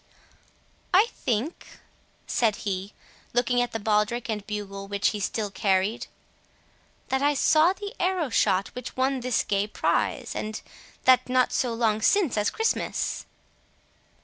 "I think," said he, looking at the baldric and bugle which he still carried, "that I saw the arrow shot which won this gay prize, and that not so long since as Christmas."